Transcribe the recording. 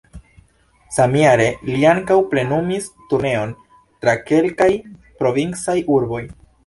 Samjare li ankaŭ plenumis turneon tra kelkaj provincaj urboj.